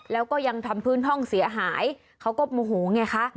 แล้วก็ยังทำพื้นห้องเสียหายเขาก็โมโหไงคะ